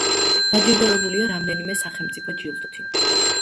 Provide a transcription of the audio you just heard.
დაჯილდოებულია რამდენიმე სახელმწიფო ჯილდოთი.